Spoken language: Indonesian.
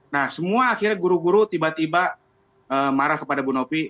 nah semua akhirnya guru guru tiba tiba marah kepada bu novi